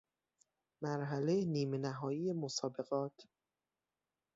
مرحله نیمه نهایی مسابقات